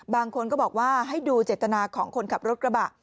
บางคนก็บอกว่าให้ดูเจตนาของคนขับรถกระบะ